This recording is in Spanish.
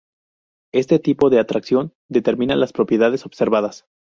Este tipo de atracción determina las propiedades observadas.